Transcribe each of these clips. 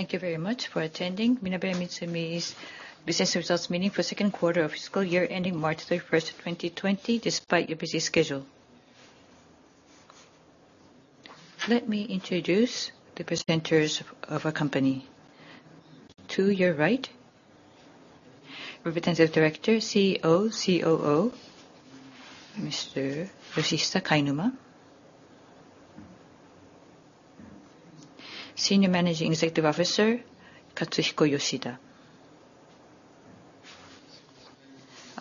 Thank you very much for attending MINEBEA MITSUMI's business results meeting for the second quarter of fiscal year ending March 31st, 2020, despite your busy schedule. Let me introduce the presenters of our company. To your right, Representative Director, CEO, COO, Mr. Yoshihisa Kainuma. Senior Managing Executive Officer Katsuhiko Yoshida.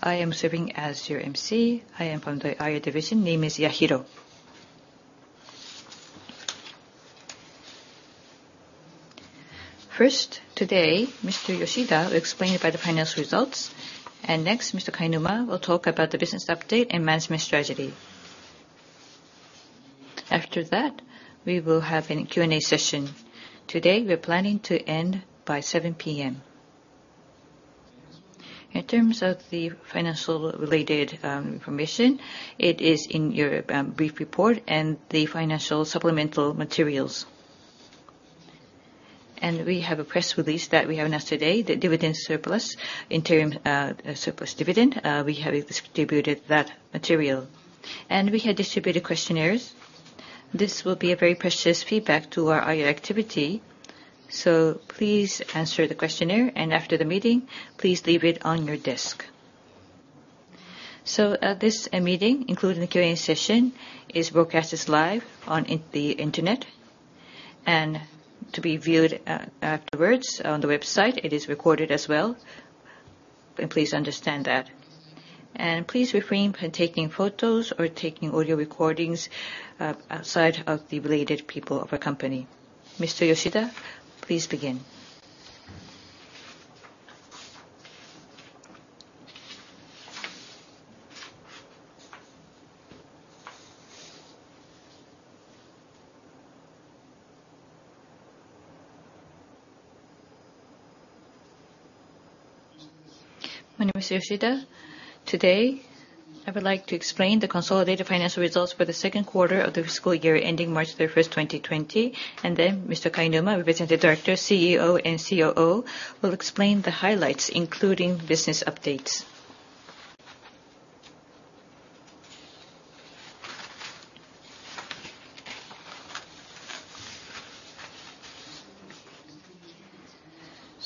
I am serving as your emcee. I am from the IR division. Name is Yahiro. First, today, Mr. Yoshida will explain about the financial results. Next, Mr. Kainuma will talk about the business update and management strategy. After that, we will have a Q&A session. Today, we are planning to end by 7:00 P.M. In terms of the financial-related information, it is in your brief report and the financial supplemental materials. We have a press release that we announced today, the dividend surplus, interim surplus dividend. We have distributed that material. We have distributed questionnaires. This will be a very precious feedback to our IR activity. Please answer the questionnaire, and after the meeting, please leave it on your desk. This meeting, including the Q&A session, is broadcast live on the internet and to be viewed afterwards on the website. It is recorded as well. Please understand that. Please refrain from taking photos or taking audio recordings outside of the related people of our company. Mr. Yoshida, please begin. My name is Yoshida. Today, I would like to explain the consolidated financial results for the second quarter of the fiscal year ending March 31st, 2020, and then Mr. Kainuma, Representative Director, CEO, and COO, will explain the highlights, including business updates.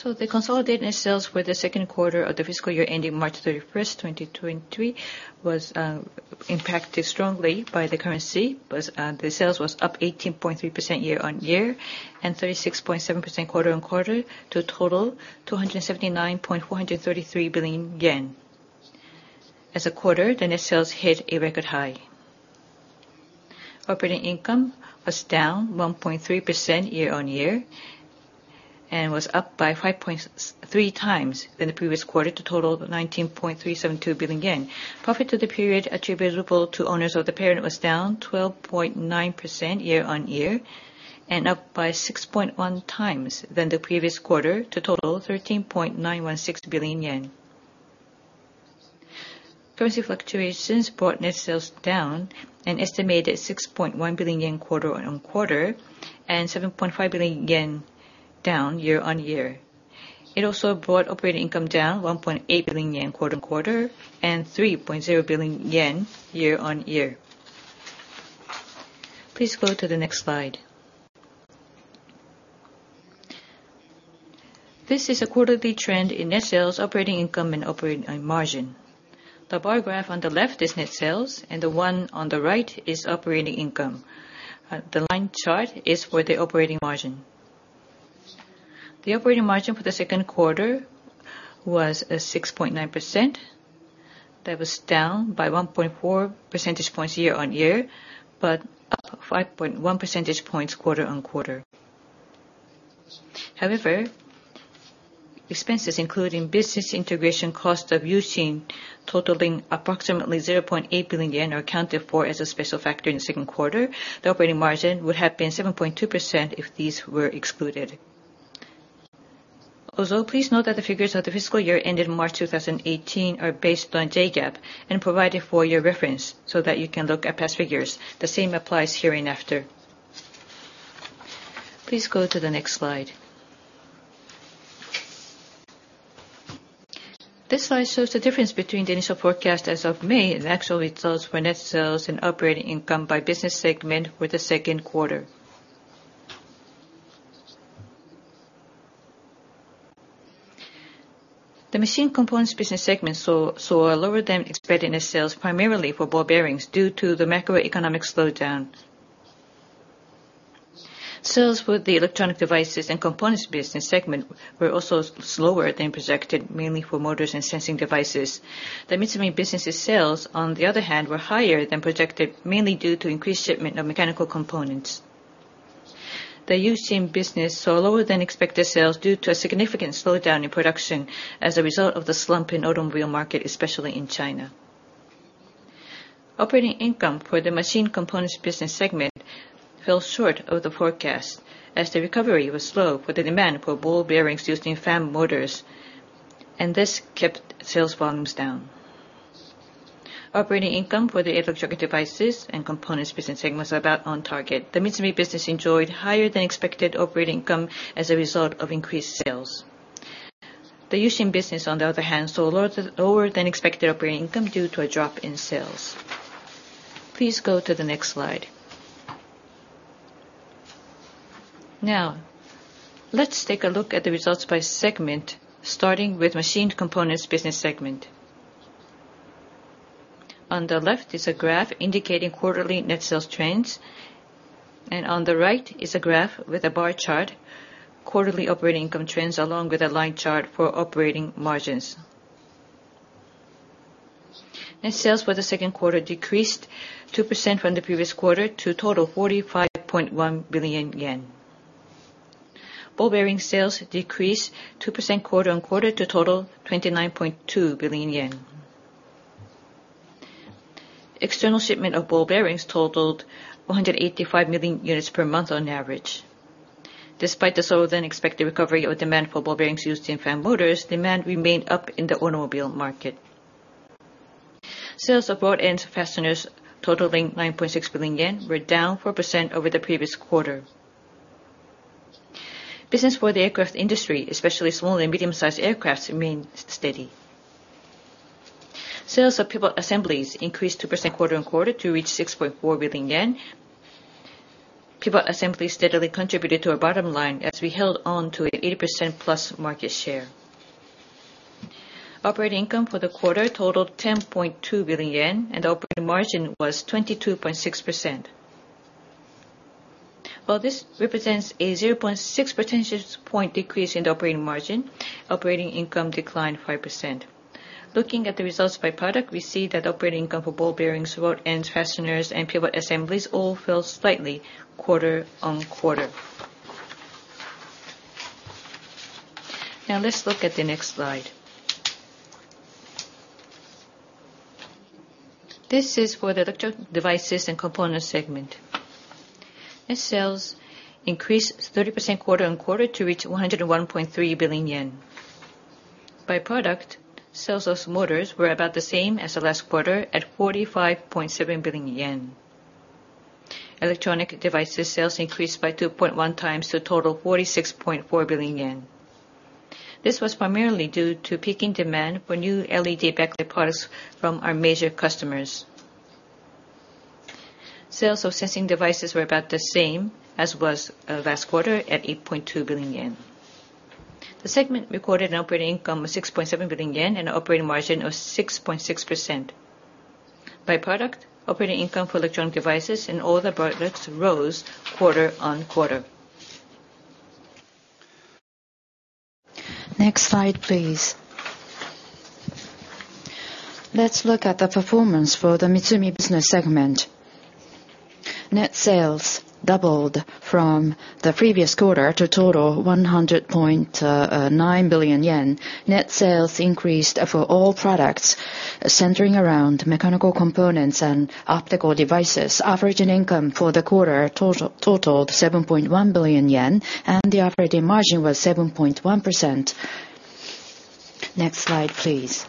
The consolidated sales for the second quarter of the fiscal year ending March 31st, 2023, was impacted strongly by the currency. The sales was up 18.3% year-on-year and 36.7% quarter-on-quarter to a total of 279.433 billion yen. As a quarter, the net sales hit a record high. Operating income was down 1.3% year-on-year and was up by 5.3 times than the previous quarter to total of 19.372 billion yen. Profit to the period attributable to owners of the parent was down 12.9% year-on-year and up by 6.1 times than the previous quarter to total of 13.916 billion yen. Currency fluctuations brought net sales down an estimated 6.1 billion yen quarter-on-quarter and 7.5 billion yen down year-on-year. It also brought operating income down 1.8 billion yen quarter-on-quarter and 3.0 billion yen year-on-year. Please go to the next slide. This is a quarterly trend in net sales, operating income, and operating margin. The bar graph on the left is net sales, and the one on the right is operating income. The line chart is for the operating margin. The operating margin for the second quarter was 6.9%. That was down by 1.4 percentage points year-on-year, but up 5.1 percentage points quarter-on-quarter. However, expenses including business integration cost of U-Shin totaling approximately 0.8 billion yen are accounted for as a special factor in the second quarter. The operating margin would have been 7.2% if these were excluded. Also, please note that the figures of the fiscal year ending March 2018 are based on JGAAP and provided for your reference so that you can look at past figures. The same applies hereinafter. Please go to the next slide. This slide shows the difference between the initial forecast as of May and actual results for net sales and operating income by business segment for the second quarter. The machine components business segment saw lower than expected net sales primarily for ball bearings due to the macroeconomic slowdown. Sales for the Electronic Devices and Components business segment were also slower than projected, mainly for motors and sensing devices. The Mitsumi business' sales, on the other hand, were higher than projected, mainly due to increased shipment of mechanical components. The U-Shin business saw lower than expected sales due to a significant slowdown in production as a result of the slump in automobile market, especially in China. Operating income for the Machined Components business segment fell short of the forecast as the recovery was slow for the demand for ball bearings used in fan motors, and this kept sales volumes down. Operating income for the Electronic Devices and Components business segments are about on target. The Mitsumi business enjoyed higher than expected operating income as a result of increased sales. The U-Shin business, on the other hand, saw lower than expected operating income due to a drop in sales. Please go to the next slide. Now let's take a look at the results by segment, starting with Machined Components business segment. On the left is a graph indicating quarterly net sales trends, and on the right is a graph with a bar chart, quarterly operating income trends, along with a line chart for operating margins. Net sales for the second quarter decreased 2% from the previous quarter to a total of ¥45.1 billion. Ball bearing sales decreased 2% quarter on quarter to a total of ¥29.2 billion. External shipment of ball bearings totaled 185 million units per month on average. Despite the slower than expected recovery of demand for ball bearings used in fan motors, demand remained up in the automobile market. Sales of rod ends and fasteners totaling ¥9.6 billion were down 4% over the previous quarter. Business for the aircraft industry, especially small and medium-sized aircraft, remained steady. Sales of pivot assemblies increased 2% quarter on quarter to reach ¥6.4 billion. Pivot assemblies steadily contributed to our bottom line as we held on to an 80%+ market share. Operating income for the quarter totaled ¥10.2 billion, and operating margin was 22.6%. While this represents a 0.6 percentage point decrease in the operating margin, operating income declined 5%. Looking at the results by product, we see that operating income for ball bearings, rod ends, fasteners, and pivot assemblies all fell slightly quarter on quarter. Let's look at the next slide. This is for the Electronic Devices and Components segment. Net sales increased 30% quarter on quarter to reach 101.3 billion yen. By product, sales of motors were about the same as the last quarter at 45.7 billion yen. Electronic devices sales increased by 2.1 times to a total of 46.4 billion yen. This was primarily due to peaking demand for new LED backlights from our major customers. Sales of sensing devices were about the same as was last quarter at 8.2 billion yen. The segment recorded an operating income of 6.7 billion yen, and an operating margin of 6.6%. By product, operating income for electronic devices in all the products rose quarter-on-quarter. Next slide, please. Let's look at the performance for the Mitsumi business segment. Net sales doubled from the previous quarter to a total of 100.9 billion yen. Net sales increased for all products centering around mechanical components and optical devices. Operating income for the quarter totaled 7.1 billion yen, and the operating margin was 7.1%. Next slide, please.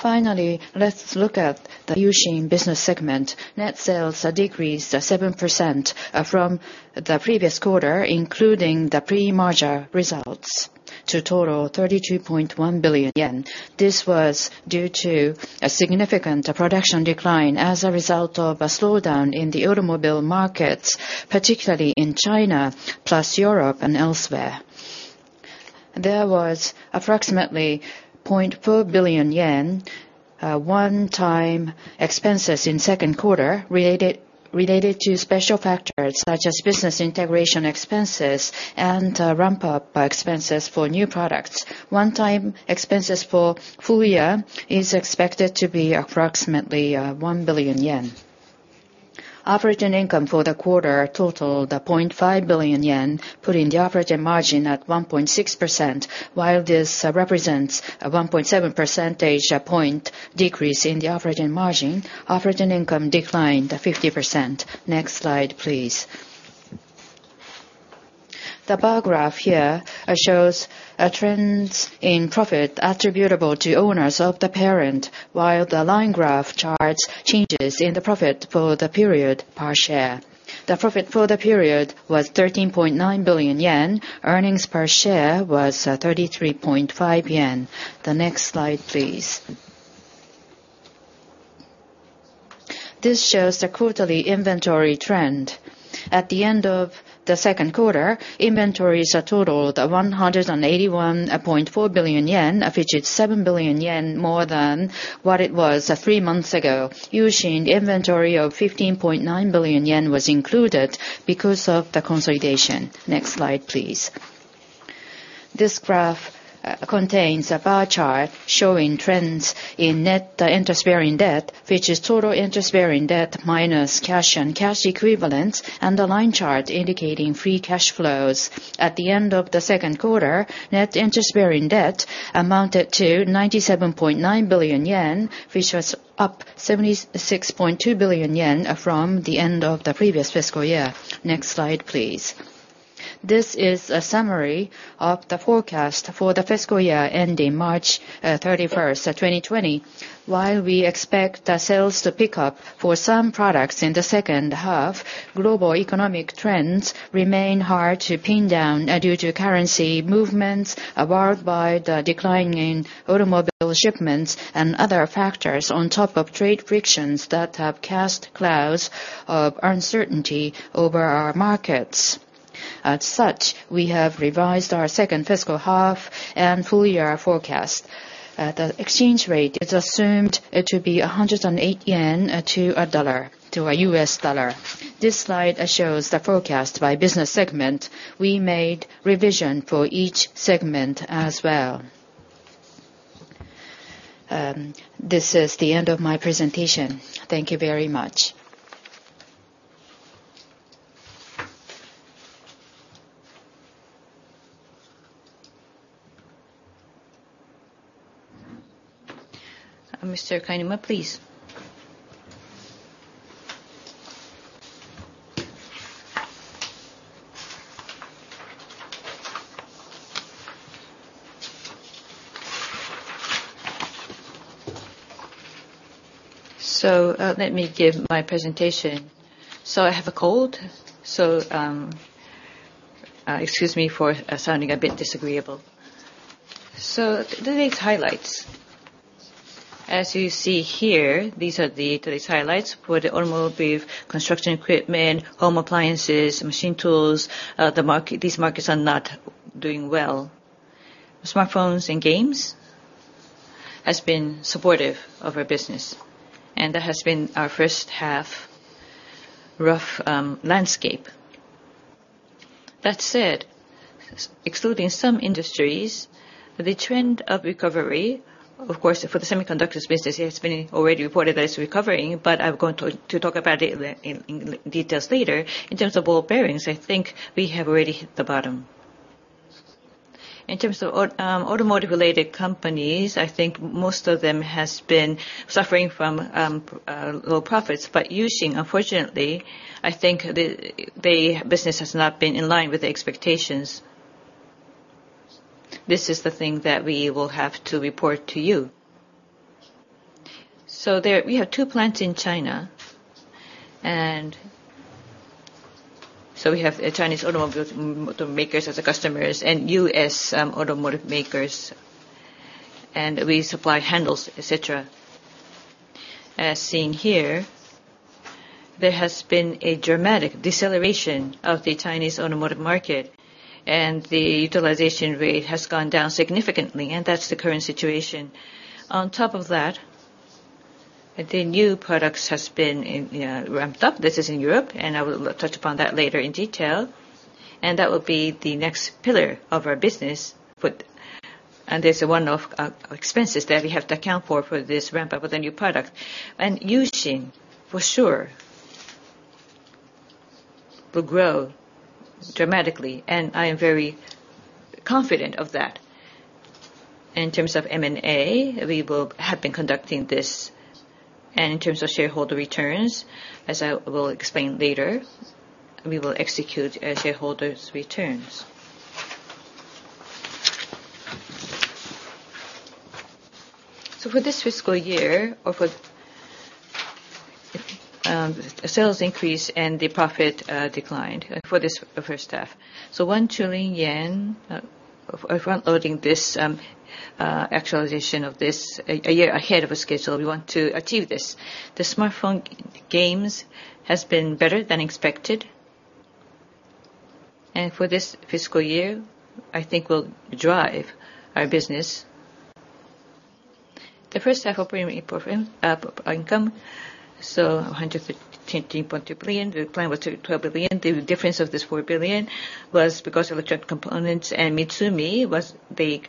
Finally, let's look at the U-Shin business segment. Net sales decreased 7% from the previous quarter, including the pre-merger results, to total 32.1 billion yen. This was due to a significant production decline as a result of a slowdown in the automobile markets, particularly in China, plus Europe and elsewhere. There was approximately 0.4 billion yen one-time expenses in second quarter related to special factors such as business integration expenses and ramp-up expenses for new products. One-time expenses for full year is expected to be approximately 1 billion yen. Operating income for the quarter totaled 0.5 billion yen, putting the operating margin at 1.6%. While this represents a 1.7 percentage point decrease in the operating margin, operating income declined 50%. Next slide, please. The bar graph here shows trends in profit attributable to owners of the parent. While the line graph charts changes in the profit for the period per share. The profit for the period was 13.9 billion yen. Earnings per share was 33.5 yen. The next slide, please. This shows the quarterly inventory trend. At the end of the second quarter, inventories totaled 181.4 billion yen, which is 7 billion yen more than what it was three months ago. U-Shin inventory of 15.9 billion yen was included because of the consolidation. Next slide, please. This graph contains a bar chart showing trends in net interest-bearing debt, which is total interest-bearing debt minus cash and cash equivalents, and the line chart indicating free cash flows. At the end of the second quarter, net interest-bearing debt amounted to 97.9 billion yen, which was up 76.2 billion yen from the end of the previous fiscal year. Next slide, please. This is a summary of the forecast for the fiscal year ending March 31st, 2020. While we expect sales to pick up for some products in the second half, global economic trends remain hard to pin down due to currency movements marred by the decline in automobile shipments and other factors on top of trade frictions that have cast clouds of uncertainty over our markets. As such, we have revised our second fiscal half and full year forecast. The exchange rate is assumed to be 108 yen to $1. This slide shows the forecast by business segment. We made revision for each segment as well. This is the end of my presentation. Thank you very much. Mr. Kainuma, please. Let me give my presentation. I have a cold, so excuse me for sounding a bit disagreeable. Today's highlights. As you see here, these are today's highlights for the automobile, construction equipment, home appliances, machine tools. These markets are not doing well. Smartphones and games has been supportive of our business, that has been our first half rough landscape. That said, excluding some industries, the trend of recovery, of course, for the semiconductor space, this has been already reported as recovering, I'm going to talk about it in details later. In terms of ball bearings, I think we have already hit the bottom. In terms of automotive-related companies, I think most of them has been suffering from low profits. U-Shin, unfortunately, I think the business has not been in line with the expectations. This is the thing that we will have to report to you. There, we have two plants in China. We have Chinese automobile makers as the customers and U.S. automotive makers, and we supply handles, et cetera. As seen here, there has been a dramatic deceleration of the Chinese automotive market, and the utilization rate has gone down significantly, and that's the current situation. On top of that, the new products has been ramped up. This is in Europe, and I will touch upon that later in detail. That will be the next pillar of our business. There's a one-off expenses that we have to account for this ramp-up of the new product. U-Shin, for sure, will grow dramatically, and I am very confident of that. In terms of M&A, we have been conducting this. In terms of shareholder returns, as I will explain later, we will execute a shareholder's returns. For this fiscal year, sales increased and the profit declined for this first half. 1 trillion yen of front-loading this actualization of this a year ahead of schedule. We want to achieve this. The smartphone games has been better than expected. For this fiscal year, I think will drive our business. The first half operating profit up income, 113.2 billion. The plan was 12 billion. The difference of this 4 billion was because of electric components, and MITSUMI was being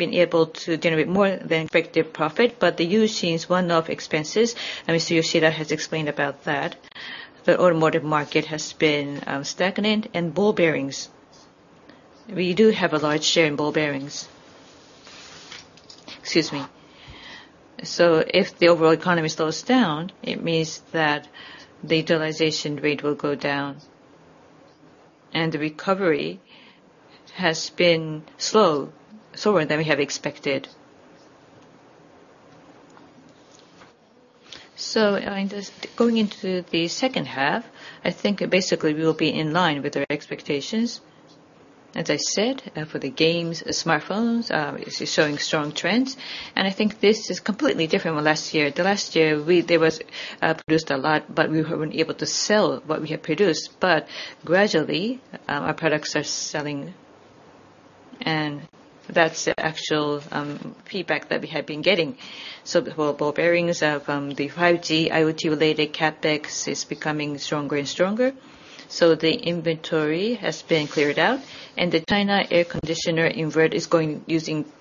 able to generate more than effective profit. The U-Shin's one-off expenses, and Mr. Yoshida has explained about that. The automotive market has been stagnant, and ball bearings. We do have a large share in ball bearings. Excuse me. If the overall economy slows down, it means that the utilization rate will go down. The recovery has been slower than we have expected. Going into the second half, I think basically we will be in line with their expectations. As I said, for the games, smartphones, showing strong trends, and I think this is completely different from last year. The last year, there was produced a lot, but we weren't able to sell what we had produced. Gradually, our products are selling, and that's the actual feedback that we have been getting. For ball bearings, the 5G IoT-related CapEx is becoming stronger and stronger. The inventory has been cleared out, and the China air conditioner inverter is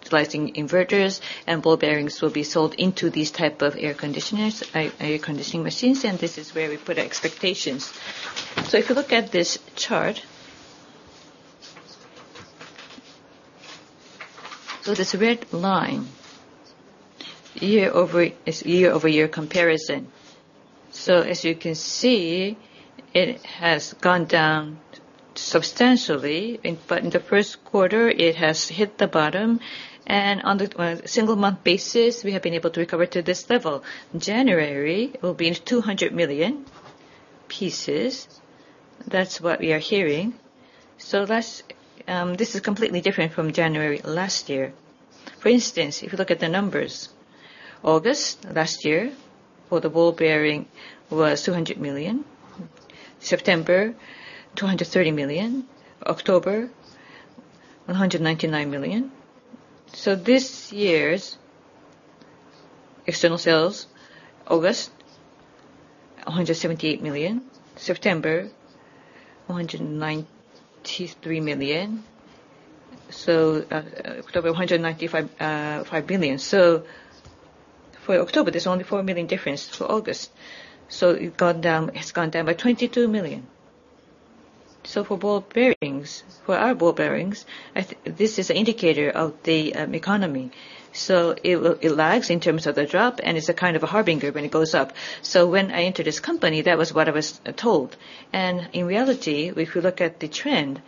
utilizing inverters, and ball bearings will be sold into these type of air conditioning machines, and this is where we put our expectations. If you look at this chart. This red line is year-over-year comparison. As you can see, it has gone down substantially. In the first quarter, it has hit the bottom, and on a single month basis, we have been able to recover to this level. January will be 200 million pieces. That's what we are hearing. This is completely different from January last year. For instance, if you look at the numbers, August last year for the ball bearing was 200 million. September, 230 million. October, 199 million. This year's external sales, August, 178 million. September, 193 million. October, 195 million. For October, there's only 4 million difference to August. It's gone down by 22 million. For our ball bearings, this is an indicator of the economy. It lags in terms of the drop, and it's a kind of a harbinger when it goes up. When I entered this company, that was what I was told. In reality, if you look at the trend,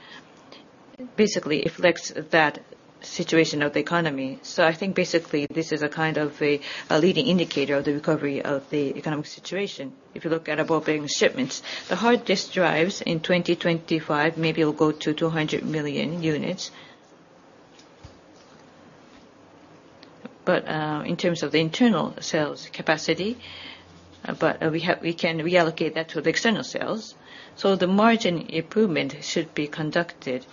basically it reflects that situation of the economy. I think basically this is a leading indicator of the recovery of the economic situation, if you look at our ball bearing shipments. The hard disk drives in 2025 maybe will go to 200 million units. In terms of the internal sales capacity, we can reallocate that to the external sales, so the margin improvement should be conducted.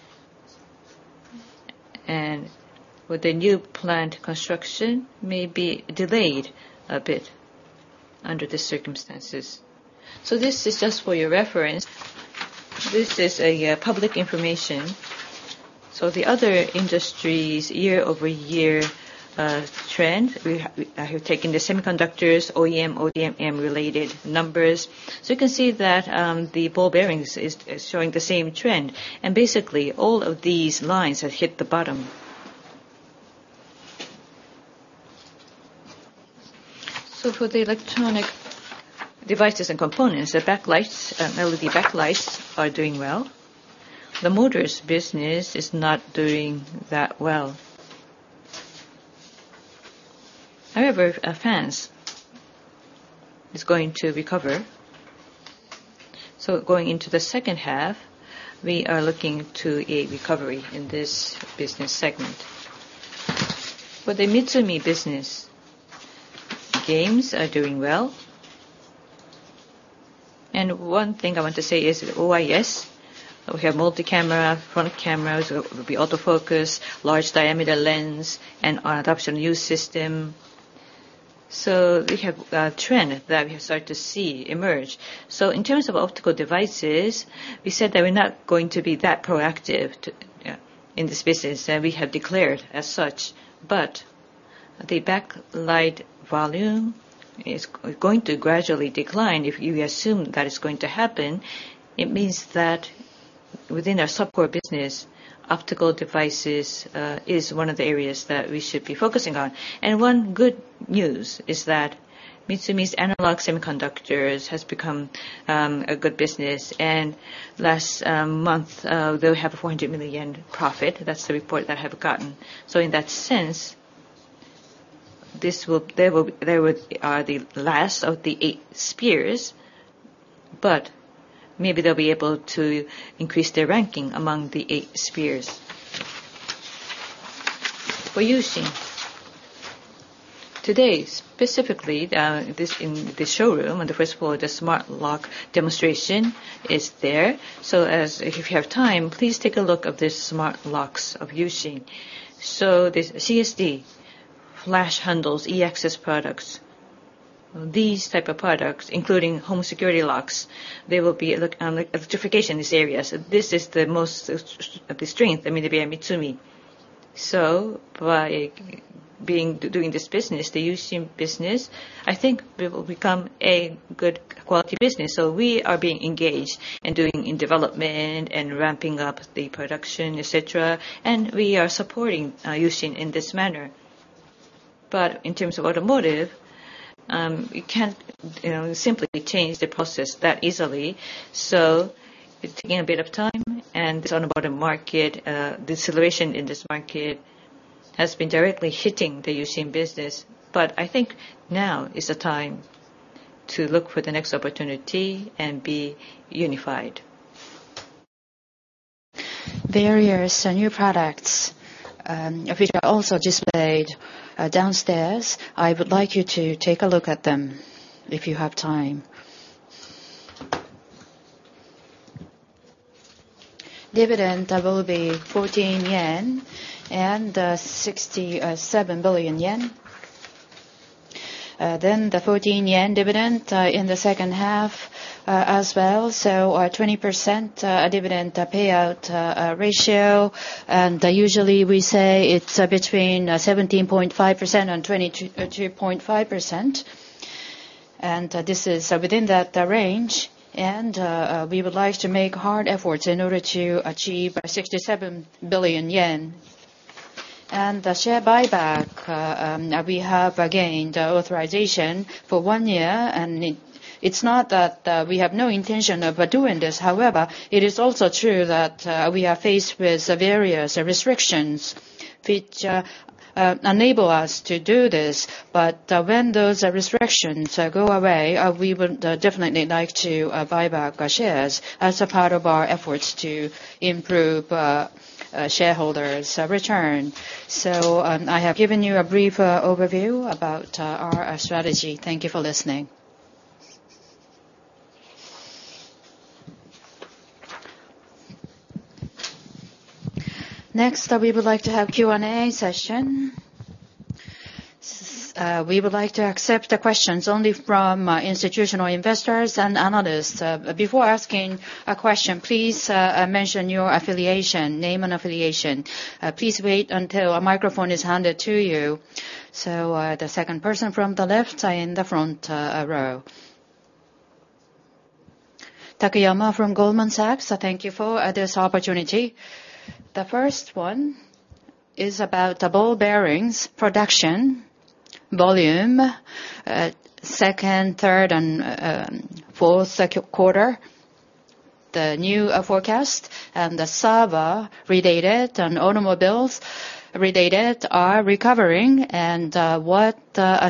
With the new plant construction may be delayed a bit under the circumstances. This is just for your reference. This is public information. The other industries' year-over-year trend, I have taken the semiconductors, OEM, ODM related numbers. You can see that the ball bearings is showing the same trend, and basically all of these lines have hit the bottom. For the electronic devices and components, the LED backlights are doing well. The motors business is not doing that well. However, fans is going to recover. Going into the second half, we are looking to a recovery in this business segment. For the Mitsumi business, games are doing well. One thing I want to say is OIS, we have multi-camera, front cameras, will be auto-focus, large diameter lens, and our adoption new system. We have a trend that we have started to see emerge. In terms of optical devices, we said that we're not going to be that proactive in the spaces that we have declared as such. The backlight volume is going to gradually decline. If you assume that is going to happen, it means that within our sub-core business, optical devices is one of the areas that we should be focusing on. One good news is that Mitsumi's analog semiconductors has become a good business. Last month, they have a 400 million profit. That's the report that I have gotten. In that sense, they are the last of the Eight Spheres, but maybe they'll be able to increase their ranking among the Eight Spheres. For U-Shin. Today, specifically, in the showroom on the first floor, the smart lock demonstration is there. If you have time, please take a look at the smart locks of U-Shin. This CSD, flush handles, e-access products. These type of products, including home security locks, they will be electrification in this area. This is the most of the strength of MINEBEA MITSUMI. By doing this business, the U-Shin business, I think it will become a good quality business. We are being engaged and doing in development and ramping up the production, et cetera, and we are supporting U-Shin in this manner. In terms of automotive, you can't simply change the process that easily, so it's taking a bit of time, and it's on about the market. The situation in this market has been directly hitting the U-Shin business. I think now is the time to look for the next opportunity and be unified. There are some new products, which are also displayed downstairs. I would like you to take a look at them if you have time. Dividend will be 14 yen and 67 billion yen. The 14 yen dividend in the second half as well. Our 20% dividend payout ratio, and usually we say it's between 17.5% and 22.5%. This is within that range, and we would like to make hard efforts in order to achieve 67 billion yen. The share buyback, we have, again, the authorization for one year, and it's not that we have no intention of doing this. However, it is also true that we are faced with various restrictions which enable us to do this. When those restrictions go away, we would definitely like to buy back our shares as a part of our efforts to improve shareholders' return. I have given you a brief overview about our strategy. Thank you for listening. Next, we would like to have Q&A session. We would like to accept the questions only from institutional investors and analysts. Before asking a question, please mention your affiliation, name and affiliation. Please wait until a microphone is handed to you. The second person from the left in the front row. Takayama from Goldman Sachs. Thank you for this opportunity. The first one is about the ball bearings production volume, second, third, and fourth quarter. The new forecast and the server related and automobiles related are recovering, what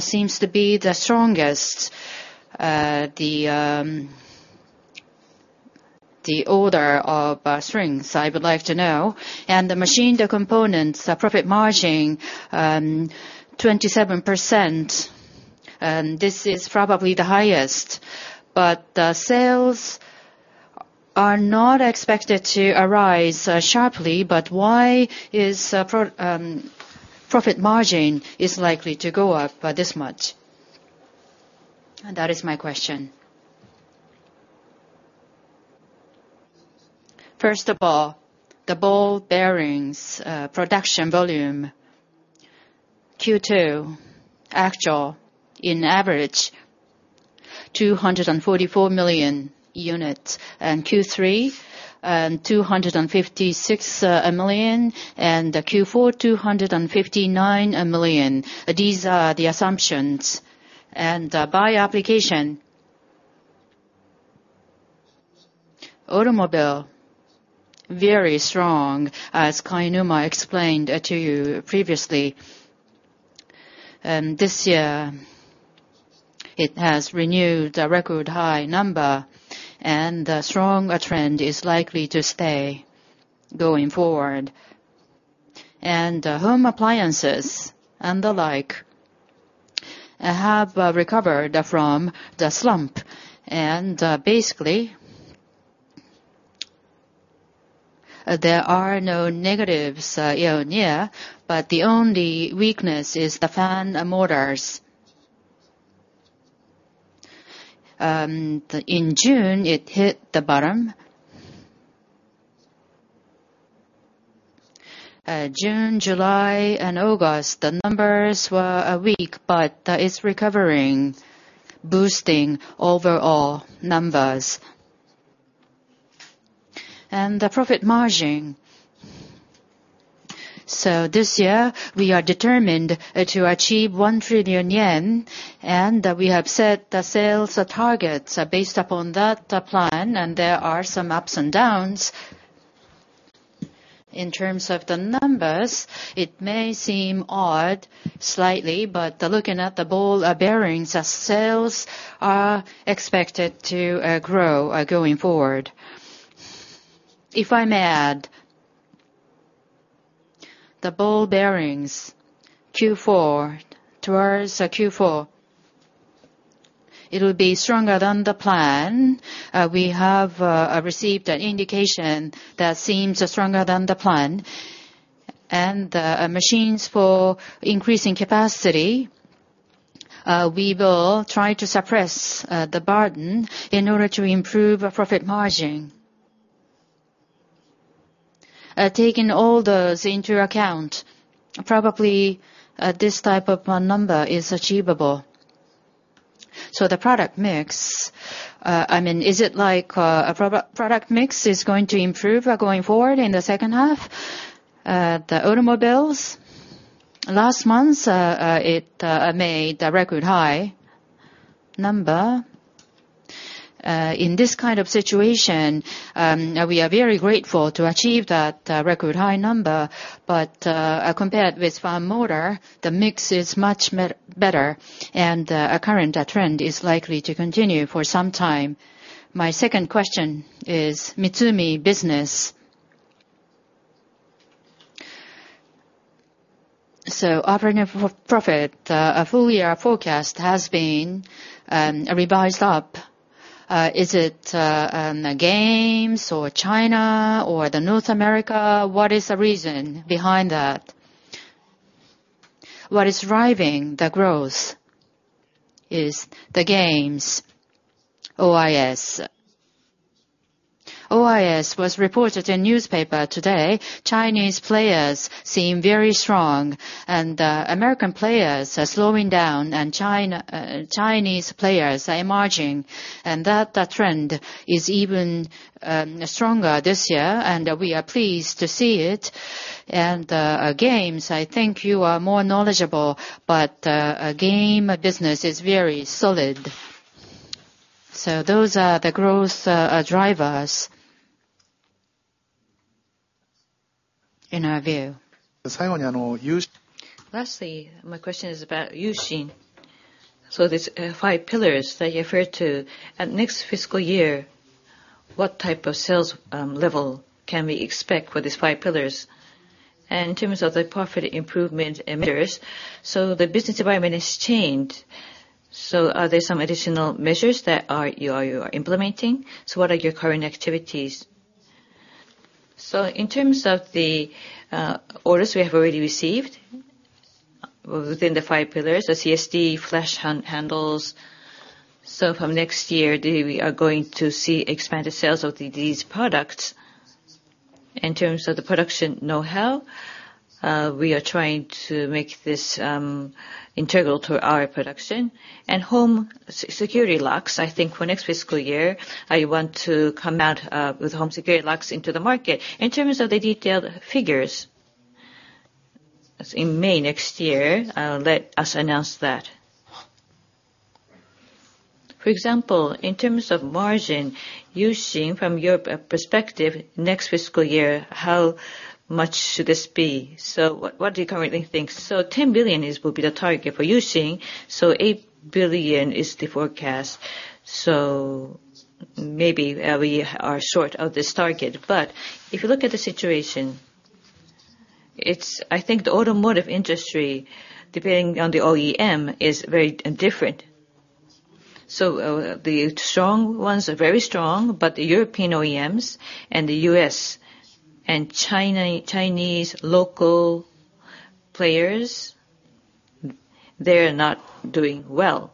seems to be the strongest, the order of strength, I would like to know. The mechanical components profit margin, 27%. This is probably the highest, but sales are not expected to rise sharply. Why is profit margin is likely to go up by this much? That is my question. First of all, the ball bearings production volume, Q2 actual, in average, 244 million units. In Q3, 256 million, Q4, 259 million. These are the assumptions. By application, automobile, very strong, as Kainuma explained to you previously. This year, it has renewed a record high number, a stronger trend is likely to stay going forward. Home appliances and the like have recovered from the slump. Basically, there are no negatives year-over-year, but the only weakness is the fan motors. In June, it hit the bottom. June, July, and August, the numbers were weak, but that is recovering, boosting overall numbers. The profit margin. This year, we are determined to achieve 1 trillion yen, and we have set the sales targets based upon that plan, and there are some ups and downs. In terms of the numbers, it may seem odd slightly, but looking at the ball bearings, sales are expected to grow going forward. If I may add, the ball bearings, towards Q4, it will be stronger than the plan. We have received an indication that seems stronger than the plan. The machines for increasing capacity, we will try to suppress the burden in order to improve profit margin. Taking all those into account, probably this type of number is achievable. The product mix, is it like product mix is going to improve going forward in the second half? The automobiles, last month, it made a record high number. In this kind of situation, we are very grateful to achieve that record high number. Compared with fan motor, the mix is much better, and current trend is likely to continue for some time. My second question is Mitsumi business. Operating profit, full year forecast has been revised up. Is it games or China or the North America? What is the reason behind that? What is driving the growth is the games, OIS was reported in the newspaper today. Chinese players seem very strong, and American players are slowing down, and Chinese players are emerging. That trend is even stronger this year, and we are pleased to see it. Games, I think you are more knowledgeable, but game business is very solid. Those are the growth drivers in our view. Lastly, my question is about U-Shin. These five pillars that you refer to, at next fiscal year, what type of sales level can we expect for these five pillars? In terms of the profit improvement measures, the business environment has changed. Are there some additional measures that you are implementing? What are your current activities? In terms of the orders we have already received within the five pillars, the CSD flush handles. From next year, we are going to see expanded sales of these products. In terms of the production know-how, we are trying to make this integral to our production. Home security locks, I think for next fiscal year, I want to come out with home security locks into the market. In terms of the detailed figures, in May next year, let us announce that. For example, in terms of margin, U-Shin, from your perspective, next fiscal year, how much should this be? What do you currently think? 10 billion will be the target for U-Shin. 8 billion is the forecast. Maybe we are short of this target. If you look at the situation, I think the automotive industry, depending on the OEM, is very different. The strong ones are very strong, but the European OEMs and the U.S. and Chinese local players, they're not doing well.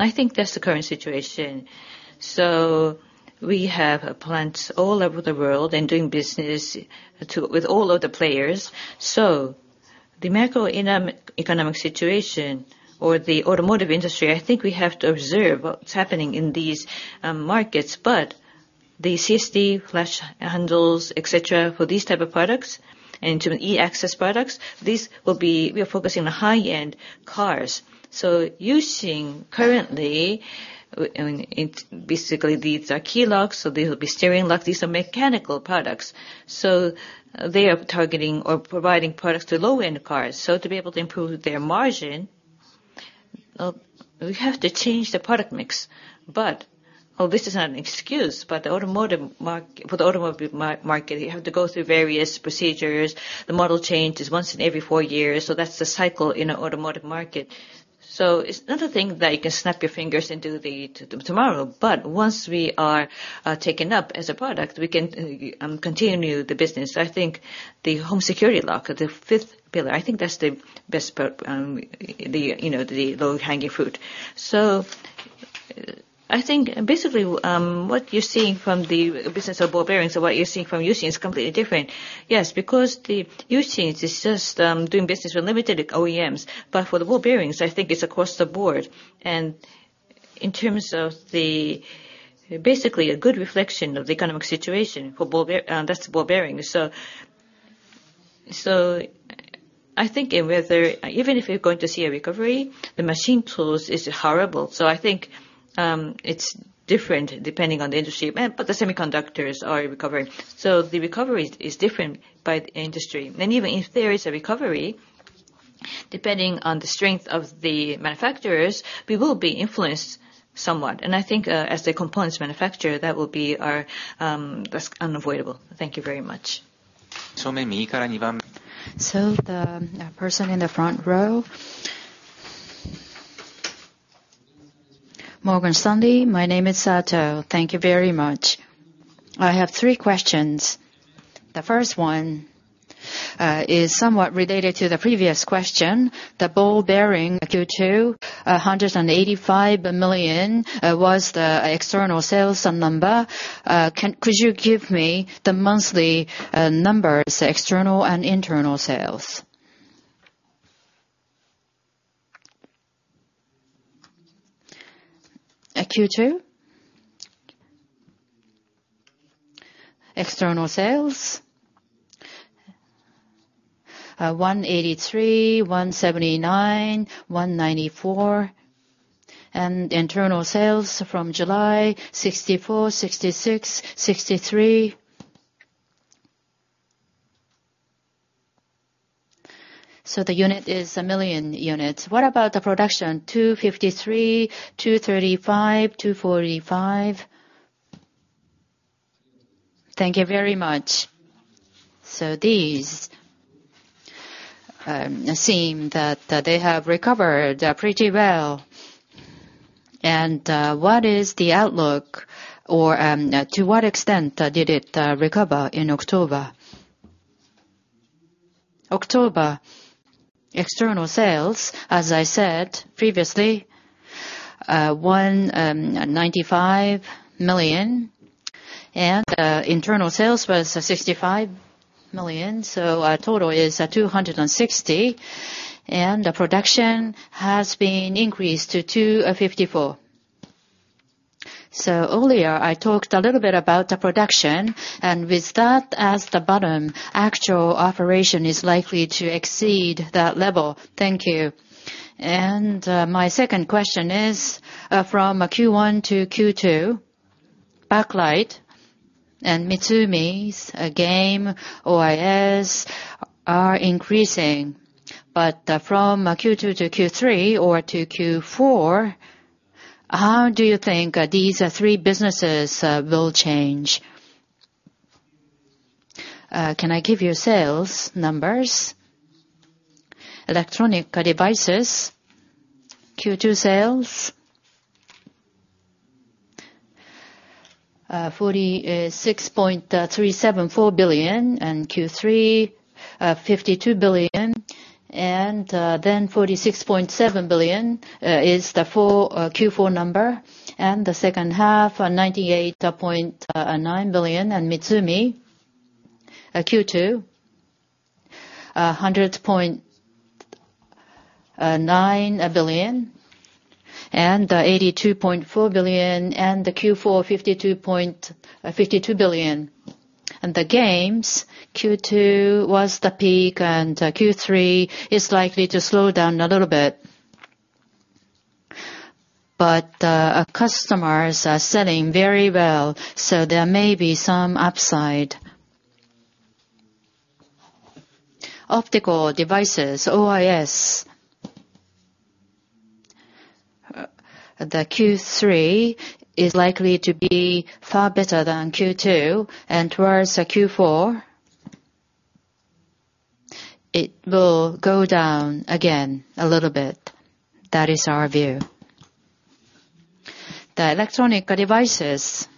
I think that's the current situation. We have plants all over the world and doing business with all of the players. The macroeconomic situation or the automotive industry, I think we have to observe what's happening in these markets. The CSD flush handles, et cetera, for these type of products, and to an e-axis products, we are focusing on high-end cars. U-Shin currently, basically these are key locks, these will be steering locks. These are mechanical products. They are targeting or providing products to low-end cars. To be able to improve their margin, we have to change the product mix. This is not an excuse, but for the automotive market, you have to go through various procedures. The model changes once in every four years, that's the cycle in an automotive market. It's not a thing that you can snap your fingers and do tomorrow, but once we are taken up as a product, we can continue the business. I think the home security lock, the fifth pillar, I think that's the low-hanging fruit. I think basically what you're seeing from the business of ball bearings and what you're seeing from U-Shin is completely different. Because U-Shin is just doing business with limited OEMs, but for the ball bearings, I think it's across the board. In terms of basically a good reflection of the economic situation, that's ball bearings. I think even if you're going to see a recovery, the machine tools is horrible. I think it's different depending on the industry. The semiconductors are recovering. The recovery is different by the industry. Even if there is a recovery, depending on the strength of the manufacturers, we will be influenced somewhat. I think as the components manufacturer, that's unavoidable. Thank you very much. The person in the front row. Morgan Stanley MUFG Securities. My name is Sato. Thank you very much. I have three questions. The first one is somewhat related to the previous question. The ball bearing Q2, 185 million units was the external sales number. Could you give me the monthly numbers, external and internal sales? Q2? External sales, 183, 179, 194, and internal sales from July, 64, 66, 63. The unit is a million units. What about the production? 253, 235, 245. Thank you very much. These seem that they have recovered pretty well. What is the outlook, or to what extent did it recover in October? October external sales, as I said previously, 195 million units, and internal sales was 65 million units, so our total is 260, and the production has been increased to 254. Earlier I talked a little bit about the production, and with that as the bottom, actual operation is likely to exceed that level. Thank you. My second question is, from Q1 to Q2, Backlight and Mitsumi's game, OIS are increasing. From Q2 to Q3 or to Q4, how do you think these three businesses will change? Can I give you sales numbers? Electronic devices, Q2 sales, 46.374 billion, Q3, 52 billion, 46.7 billion is the Q4 number. The second half, 98.9 billion, Mitsumi Q2, 100.9 billion and 82.4 billion, the Q4, 52 billion. The games, Q2 was the peak and Q3 is likely to slow down a little bit. Customers are selling very well, so there may be some upside. Optical devices, OIS. The Q3 is likely to be far better than Q2 and towards Q4, it will go down again a little bit. That is our view. The Electronic Devices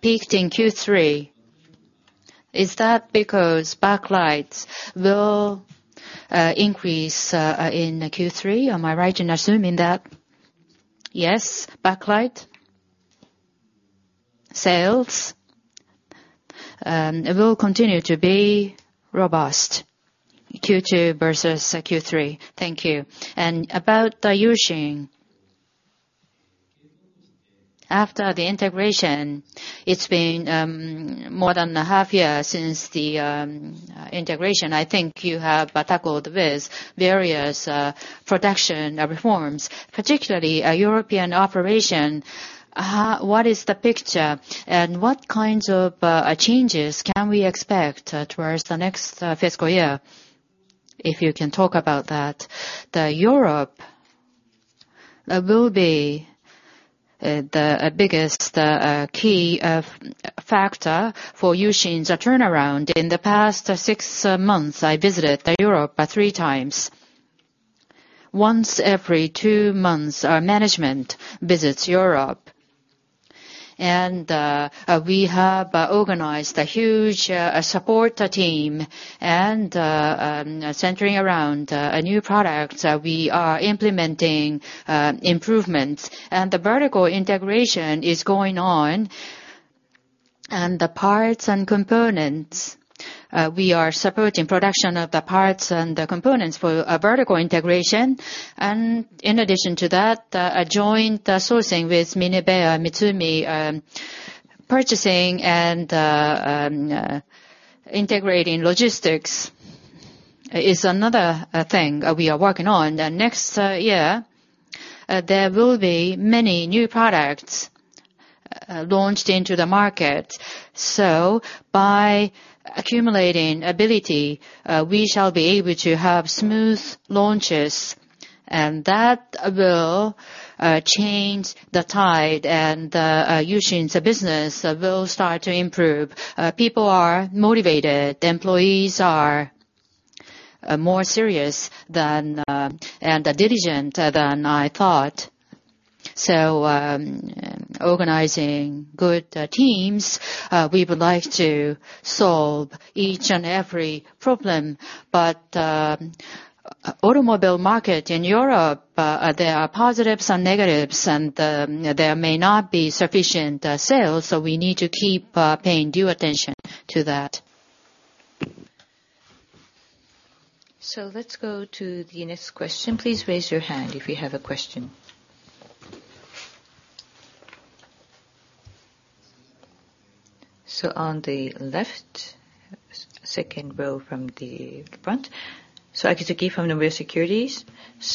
peaked in Q3. Is that because Backlights will increase in Q3? Am I right in assuming that? Yes. Backlight sales will continue to be robust, Q2 versus Q3. Thank you. About the U-Shin. After the integration, it's been more than a half year since the integration. I think you have tackled with various production reforms, particularly European operation. What is the picture, and what kinds of changes can we expect towards the next fiscal year? If you can talk about that. Europe will be the biggest key factor for U-Shin's turnaround. In the past six months, I visited Europe three times. Once every two months, our management visits Europe. We have organized a huge support team and centering around new products, we are implementing improvements. The vertical integration is going on, and the parts and components, we are supporting production of the parts and the components for vertical integration. In addition to that, a joint sourcing with MINEBEA MITSUMI, purchasing and integrating logistics is another thing we are working on. Next year, there will be many new products launched into the market. By accumulating ability, we shall be able to have smooth launches, and that will change the tide and U-Shin's business will start to improve. People are motivated. The employees are more serious and diligent than I thought. Organizing good teams, we would like to solve each and every problem. Automobile market in Europe, there are positives and negatives, and there may not be sufficient sales, so we need to keep paying due attention to that. Let's go to the next question. Please raise your hand if you have a question. On the left, second row from the front. Akizuki from Nomura Securities.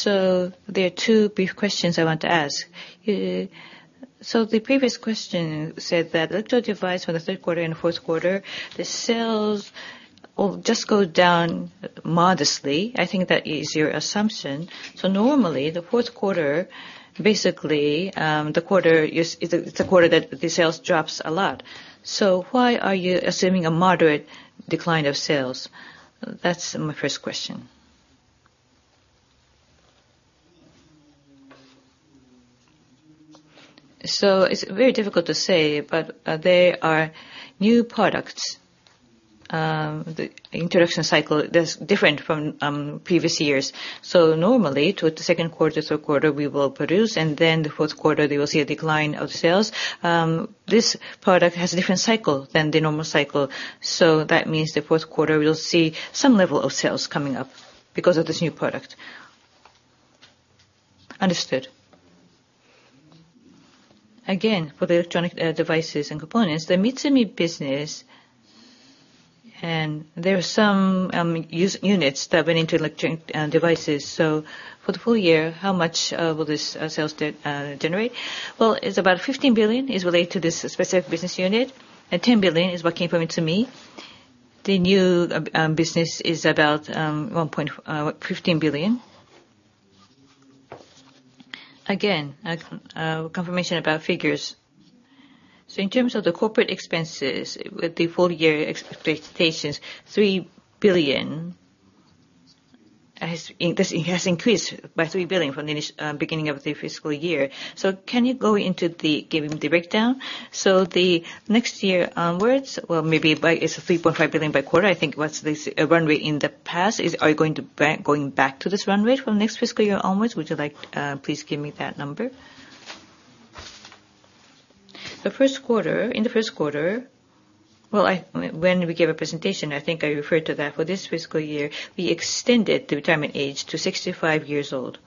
There are two brief questions I want to ask. The previous question said that electronic device for the third quarter and fourth quarter, the sales will just go down modestly. I think that is your assumption. Normally, the fourth quarter, basically, it's a quarter that the sales drops a lot. Why are you assuming a moderate decline of sales? That's my first question. It's very difficult to say, but they are new products. The introduction cycle, that's different from previous years. Normally, to the second quarter to third quarter, we will produce, and then the fourth quarter, you will see a decline of sales. This product has a different cycle than the normal cycle. That means the fourth quarter, we'll see some level of sales coming up because of this new product. Understood. For the Electronic Devices and Components, the Mitsumi business, there are some units that went into electronic devices. For the full year, how much will this sales generate? It's about 15 billion is related to this specific business unit, and 10 billion is working for Mitsumi. The new business is about 1.15 billion. Confirmation about figures. In terms of the corporate expenses with the full-year expectations, 3 billion. This has increased by 3 billion from the beginning of the fiscal year. Can you go into giving the breakdown? The next year onwards, well, maybe it's 3.5 billion by quarter, I think. Once this runway in the past, are you going back to this runway from next fiscal year onwards? Would you please give me that number? The first quarter, in the first quarter, well, when we gave a presentation, I think I referred to that for this fiscal year, we extended the retirement age to 65 years old.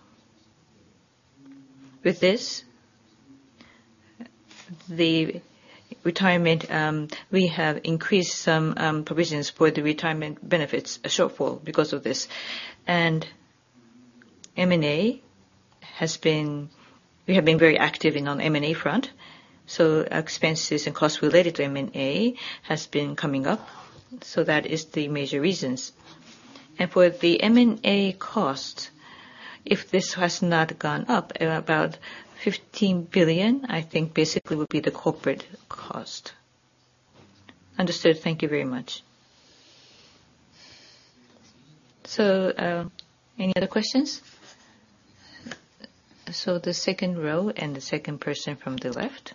With this, the retirement, we have increased some provisions for the retirement benefits shortfall because of this. M&A, we have been very active on the M&A front, so expenses and costs related to M&A have been coming up. That is the major reasons. For the M&A cost, if this has not gone up, about 15 billion, I think, basically, would be the corporate cost. Understood. Thank you very much. Any other questions? The second row and the second person from the left.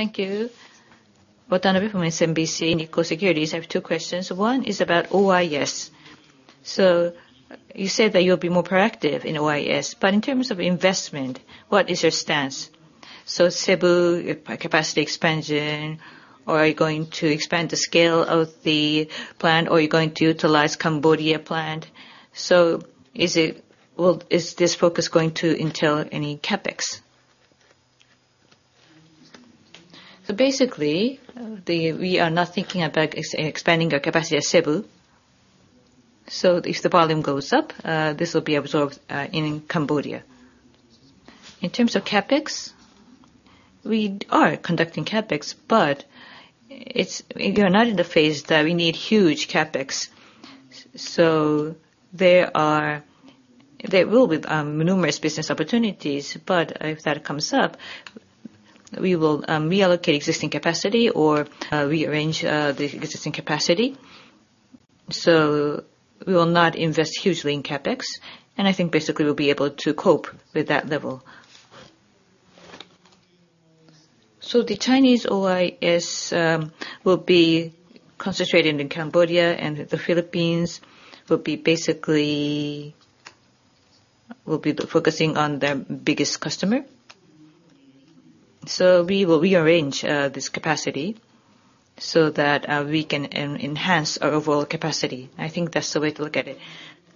Thank you. Watanabe from SMBC Nikko Securities. I have two questions. One is about OIS. You said that you'll be more proactive in OIS, but in terms of investment, what is your stance? Cebu capacity expansion, or are you going to expand the scale of the plant, or are you going to utilize Cambodia plant? Is this focus going to entail any CapEx? Basically, we are not thinking about expanding our capacity at Cebu. If the volume goes up, this will be absorbed in Cambodia. In terms of CapEx, we are conducting CapEx, but we are not in the phase that we need huge CapEx. There will be numerous business opportunities, but if that comes up, we will reallocate existing capacity or rearrange the existing capacity. We will not invest hugely in CapEx, and I think basically we'll be able to cope with that level. The Chinese OIS will be concentrated in Cambodia, and the Philippines will be basically focusing on their biggest customer. We will rearrange this capacity so that we can enhance our overall capacity. I think that's the way to look at it.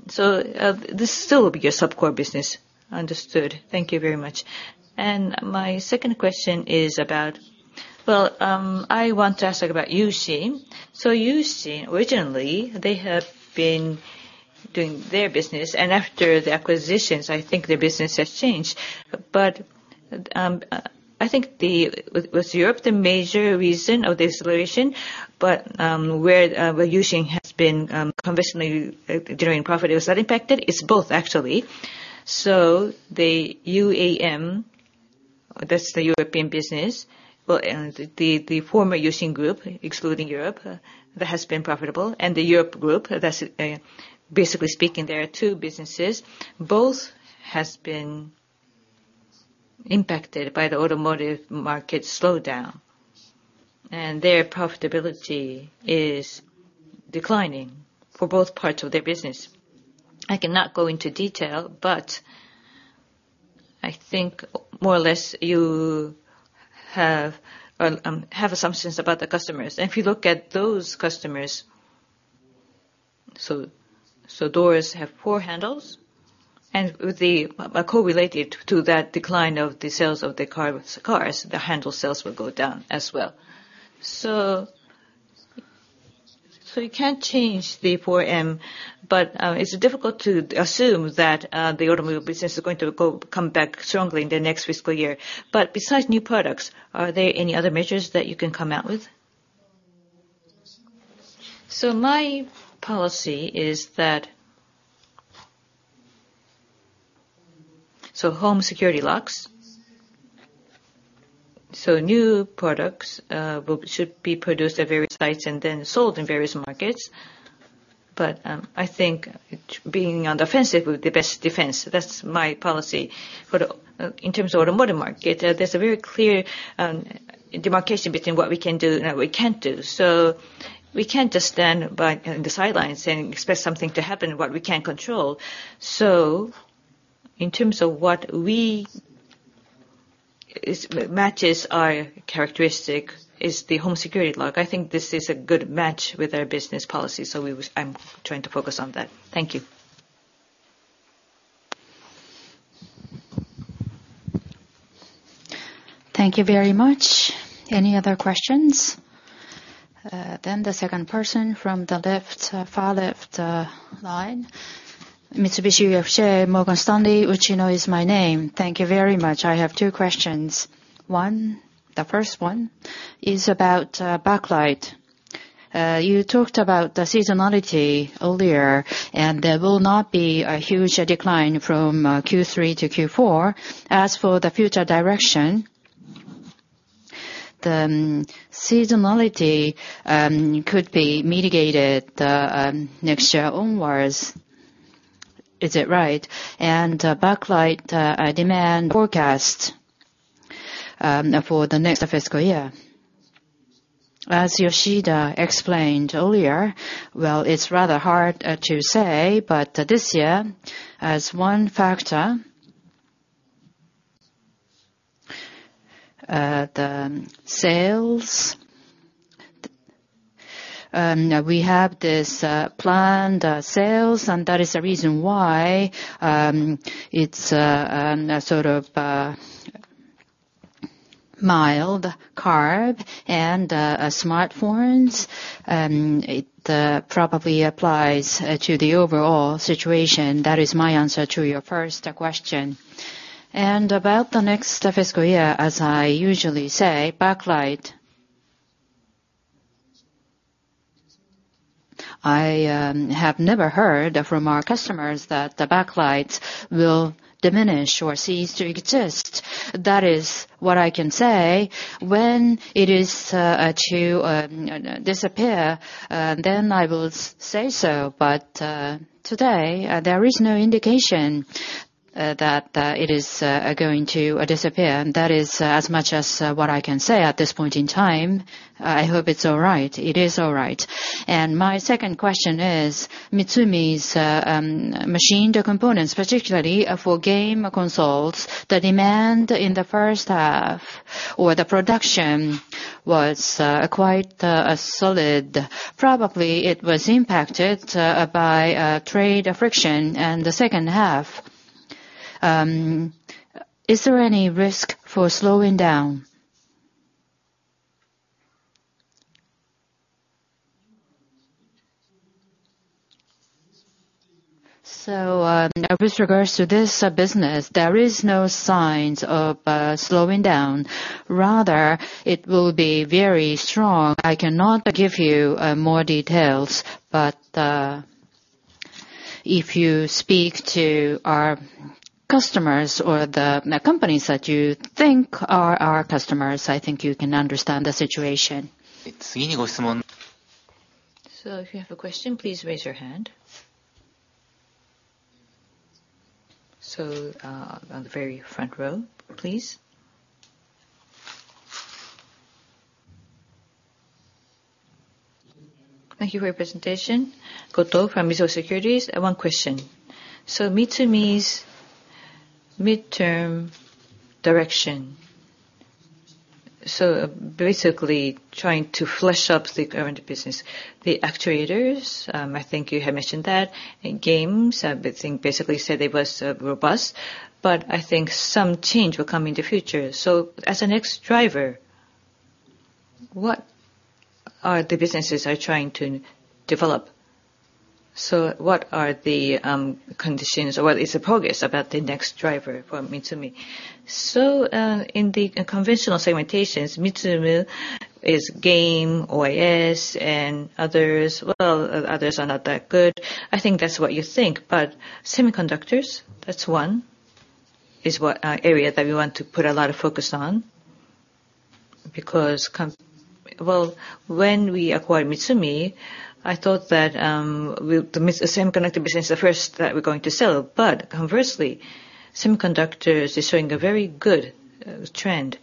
This still will be your subcore business. Understood. Thank you very much. My second question is about, well, I want to ask about U-Shin. U-Shin, originally, they have been doing their business, and after the acquisitions, I think their business has changed. I think, was Europe the major reason of the acceleration? Where U-Shin has been conventionally generating profit, was that impacted? It's both, actually. The U-Shin, that's the European business. Well, the former U-Shin Group, excluding Europe, that has been profitable. The Europe group, basically speaking, there are two businesses. Both have been impacted by the automotive market slowdown, and their profitability is declining for both parts of their business. I cannot go into detail, but I think more or less you have assumptions about the customers. If you look at those customers. Doors have flush handles, and they are correlated to that decline of the sales of the cars. The handle sales will go down as well. You can't change the 4M, but it's difficult to assume that the automobile business is going to come back strongly in the next fiscal year. Besides new products, are there any other measures that you can come out with? My policy is that so home security locks. New products should be produced at various sites and then sold in various markets. I think being on the offensive is the best defense. That's my policy. In terms of automotive market, there's a very clear demarcation between what we can do and what we can't do. We can't just stand by on the sidelines and expect something to happen that we can't control. In terms of what matches our characteristic is the Home Security Lock. I think this is a good match with our business policy, so I'm trying to focus on that. Thank you. Thank you very much. Any other questions? The second person from the far left line. Mitsubishi UFJ Morgan Stanley Securities, Uchino is my name. Thank you very much. I have two questions. The first one is about Backlight. You talked about the seasonality earlier, and there will not be a huge decline from Q3 to Q4. As for the future direction, the seasonality could be mitigated next year onwards. Is that right? Backlight demand forecast for the next fiscal year. As Yoshida explained earlier, well, it's rather hard to say, but this year, as one factor, the sales. We have this planned sales, and that is the reason why it's a sort of mild curve, and smartphones probably applies to the overall situation. That is my answer to your first question. About the next fiscal year, as I usually say, backlight, I have never heard from our customers that the backlights will diminish or cease to exist. That is what I can say. When it is to disappear, then I will say so. Today, there is no indication that it is going to disappear, and that is as much as what I can say at this point in time. I hope it's all right. It is all right. My second question is, Mitsumi's machined components, particularly for game consoles, the demand in the first half, or the production, was quite solid. Probably it was impacted by trade friction in the second half. Is there any risk for slowing down? With regards to this business, there is no signs of slowing down. Rather, it will be very strong. I cannot give you more details, but if you speak to our customers or the companies that you think are our customers, I think you can understand the situation. If you have a question, please raise your hand. On the very front row, please. Thank you for your presentation. Goto from Mizuho Securities. I have one question. MITSUMI's midterm direction. Basically trying to flesh up the current business. The actuators, I think you have mentioned that. In games, I think basically you said it was robust, but I think some change will come in the future. As a next driver, what are the businesses are trying to develop? What are the conditions or what is the progress about the next driver for MITSUMI? In the conventional segmentations, Mitsumi is game, OIS, and others. Others are not that good. I think that's what you think. Semiconductors is one area that we want to put a lot of focus on. Because when we acquired Mitsumi, I thought that the semiconductor business is the first that we're going to sell. Conversely, semiconductors is showing a very good trend.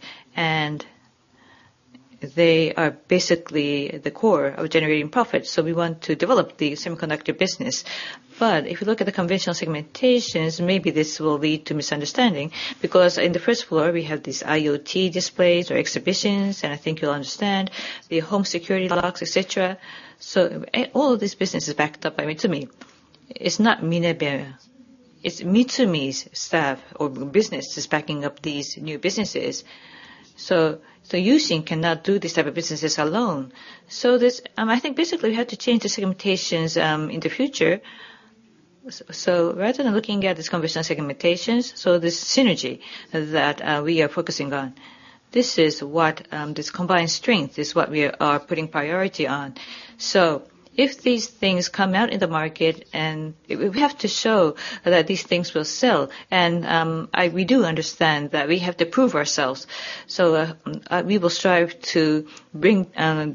They are basically the core of generating profit. We want to develop the semiconductor business. If you look at the conventional segmentations, maybe this will lead to misunderstanding, because on the first floor, we have these IoT displays or exhibitions, and I think you'll understand, the home security locks, et cetera. All of these businesses are backed up by Mitsumi. It's not Minebea. It's Mitsumi's staff or business that's backing up these new businesses. U-Shin cannot do these type of businesses alone. I think basically we have to change the segmentations in the future. Rather than looking at this commercial segmentation, this synergy that we are focusing on, this combined strength is what we are putting priority on. If these things come out in the market, we have to show that these things will sell, we do understand that we have to prove ourselves. We will strive to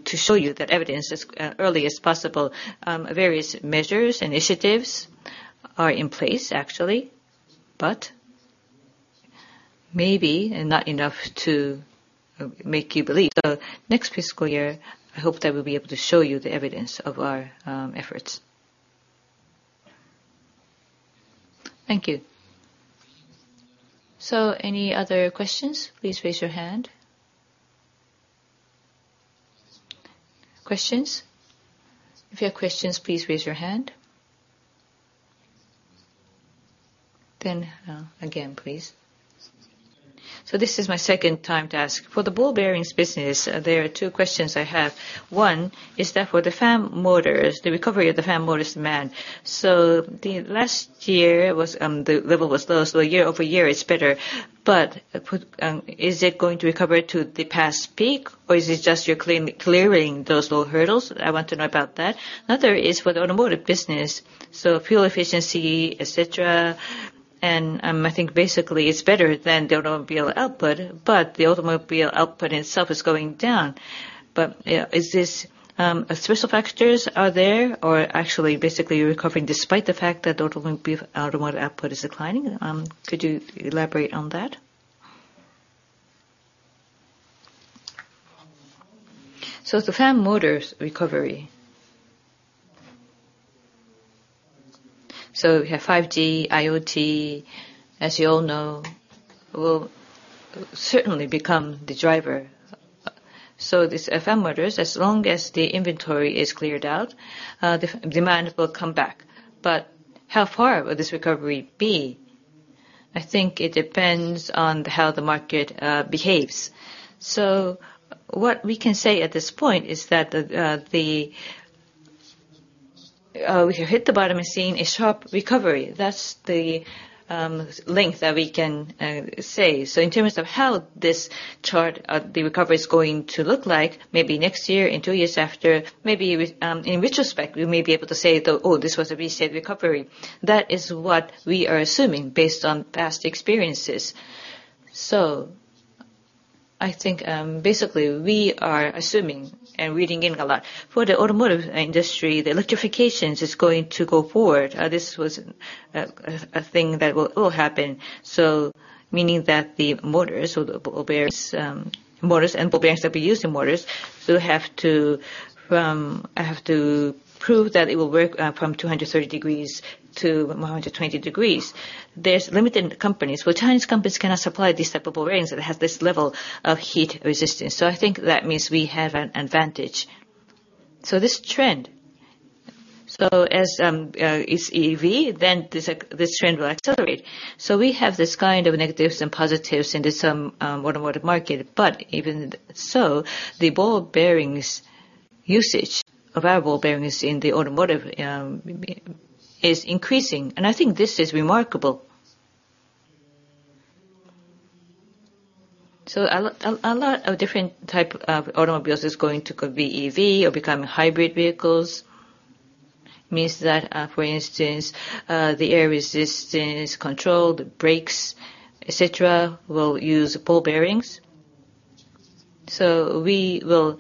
show you that evidence as early as possible. Various measures, initiatives are in place, actually, but maybe not enough to make you believe. Next fiscal year, I hope that we'll be able to show you the evidence of our efforts. Thank you. Any other questions, please raise your hand. Questions? If you have questions, please raise your hand. Again, please. This is my second time to ask. For the ball bearings business, there are two questions I have. One is that for the fan motors, the recovery of the fan motors demand. The last year, the level was low, so year over year it's better. Is it going to recover to the past peak, or is it just you're clearing those low hurdles? I want to know about that. Another is for the automotive business, so fuel efficiency, et cetera, and I think basically it's better than the automobile output, but the automobile output itself is going down. Is this special factors are there? Actually basically recovering despite the fact that automobile output is declining? Could you elaborate on that? The fan motors recovery. We have 5G, IoT, as you all know, will certainly become the driver. These fan motors, as long as the inventory is cleared out, the demand will come back. How far will this recovery be? I think it depends on how the market behaves. What we can say at this point is that we have hit the bottom and seeing a sharp recovery. That's the length that we can say. In terms of how this chart, the recovery is going to look like, maybe next year, in two years after, maybe in retrospect, we may be able to say, "Oh, this was a V-shaped recovery." That is what we are assuming based on past experiences. I think basically we are assuming and reading in a lot. For the automotive industry, the electrification is going to go forward. This was a thing that will happen. Meaning that the motors, or ball bearings, motors and ball bearings that we use in motors will have to prove that it will work from 230 degrees to 120 degrees. There's limited companies. Well, Chinese companies cannot supply these type of ball bearings that have this level of heat resistance. I think that means we have an advantage. This trend. As is EV, then this trend will accelerate. We have this kind of negatives and positives into some automotive market. Even so, the ball bearings usage, available bearings in the automotive is increasing, and I think this is remarkable. A lot of different type of automobiles is going to be EV or become hybrid vehicles. Means that, for instance, the air resistance controlled brakes, et cetera, will use ball bearings. We will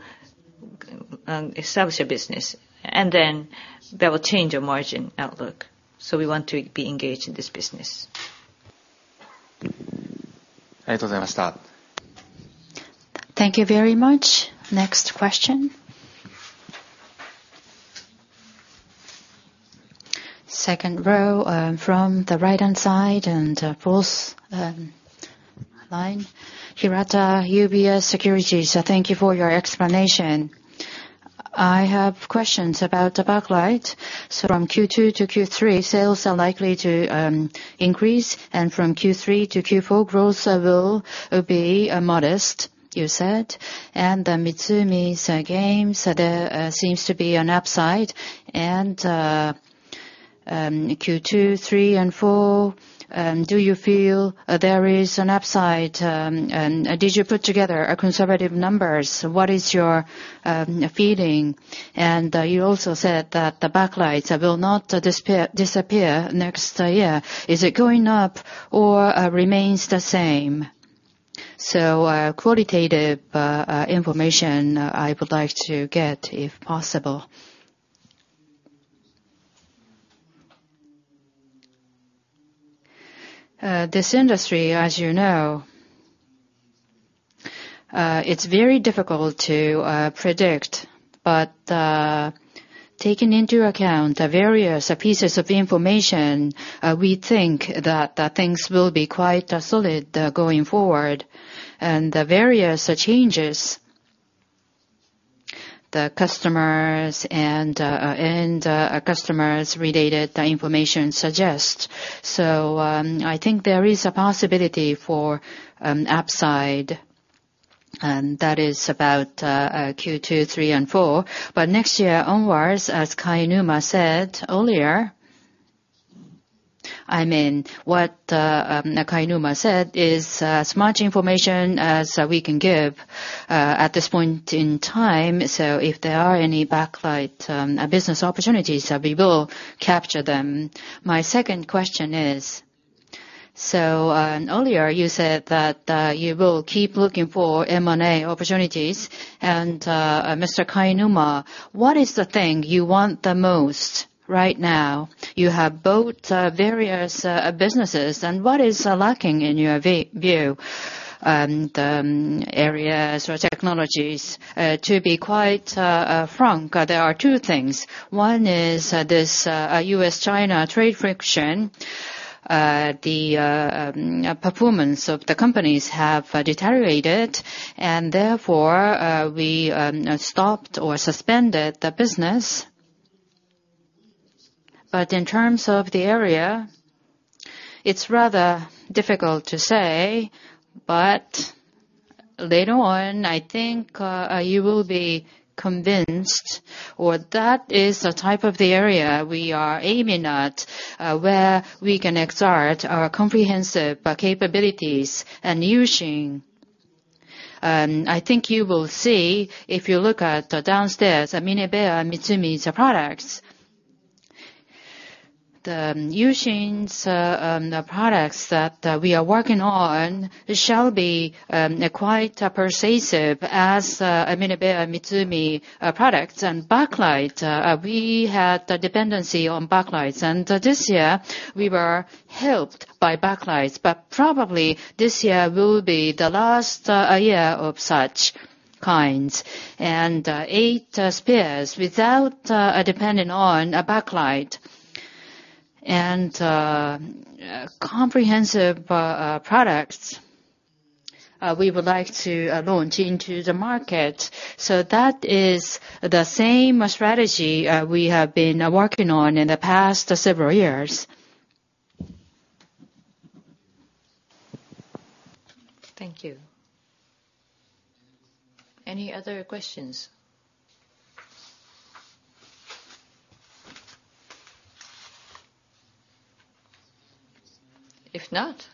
establish a business, and then that will change our margin outlook. We want to be engaged in this business. Thank you very much. Next question. Second row from the right-hand side and fourth line. Hirata, UBS Securities. Thank you for your explanation. I have questions about the backlight. From Q2 to Q3, sales are likely to increase, and from Q3 to Q4, growth will be modest, you said. The Mitsumi gains, there seems to be an upside in Q2, Q3, and Q4, do you feel there is an upside, and did you put together conservative numbers? What is your feeling? You also said that the backlights will not disappear next year. Is it going up or remains the same? Qualitative information I would like to get, if possible. This industry, as you know, it's very difficult to predict. Taking into account the various pieces of information, we think that things will be quite solid going forward. The various changes the customers and customers related information suggest. I think there is a possibility for an upside. That is about Q2, three, and four. Next year onwards, as Kainuma said earlier, what Kainuma said is as much information as we can give at this point in time. If there are any backlight business opportunities, we will capture them. My second question is, earlier you said that you will keep looking for M&A opportunities. Mr. Kainuma, what is the thing you want the most right now? You have both various businesses, and what is lacking in your view? Areas or technologies? To be quite frank, there are two things. One is this U.S.-China trade friction. The performance of the companies have deteriorated, and therefore, we stopped or suspended the business. In terms of the area, it's rather difficult to say. Later on, I think you will be convinced, or that is the type of the area we are aiming at, where we can exert our comprehensive capabilities. Using, I think you will see if you look at downstairs, at MINEBEA MITSUMI's products. The using products that we are working on shall be quite persuasive as MINEBEA MITSUMI products. Backlight, we had a dependency on backlights. This year we were helped by backlights, but probably this year will be the last year of such kinds. Eight Spheres without depending on a backlight, and comprehensive products we would like to launch into the market. That is the same strategy we have been working on in the past several years. Thank you. Any other questions? If not,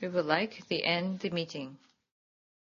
we would like to end the meeting.